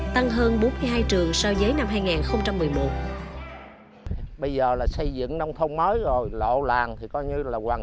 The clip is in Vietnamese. sáu mươi hai tăng hơn bốn mươi hai trường so với năm hai nghìn một mươi một